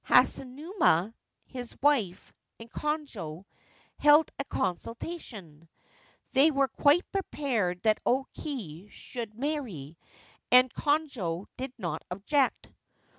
Hasunuma, his wife, and Konojo held a consultation. They were quite prepared that O Kei should marry, and Konojo did not object.